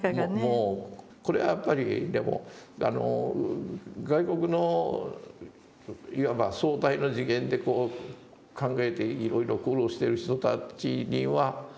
もうこれはやっぱりでも外国のいわば相対の次元で考えていろいろ苦労してる人たちには禅の考え方